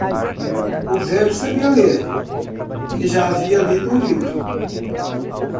O velho sabia ler? e já havia lido o livro.